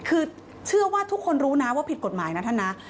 คือเชื่อว่าทุกคนรู้นะว่าผิดกฎหมายนะท่านนะ